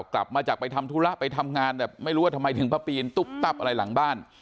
กลับมาจากไปทำธุระไปทำงานแบบไม่รู้ว่าทำไมถึงมาปีนตุ๊บตับอะไรหลังบ้าน